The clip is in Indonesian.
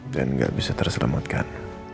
dan gak bisa terselamatkan